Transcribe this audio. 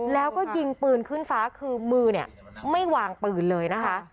แล้วก็ยิงปืนขึ้นฟ้าคือมือเนี่ยไม่วางปืนเลยนะคะ